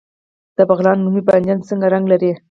د بغلان رومي بانجان څه رنګ لري؟